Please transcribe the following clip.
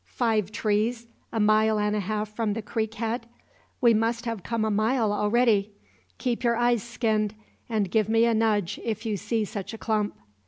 Five trees, a mile and a half from the creek head? We must have come a mile already. Keep your eyes skinned, and give me a nudge if you see such a clump."